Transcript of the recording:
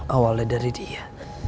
awalnya dari dia